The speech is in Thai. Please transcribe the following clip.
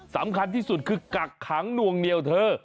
สำคัญที่สุดคือกักขังนวงเหนียวเธอ